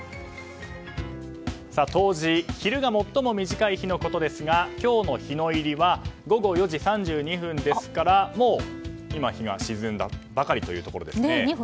冬至、昼が最も短い日のことですが今日の日の入りは午後４時３２分ですからもう今、日が沈んだばかりですね。